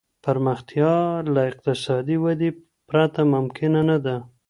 پرمختيا له اقتصادي ودي پرته ممکنه نه ده.